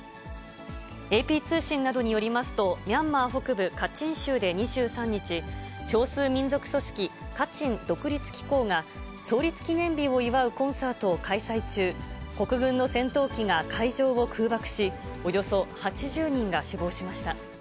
ＡＰ通信などによりますと、ミャンマー北部カチン州で２３日、少数民族組織、カチン独立機構が、創立記念日を祝うコンサートを開催中、国軍の戦闘機が会場を空爆し、およそ８０人が死亡しました。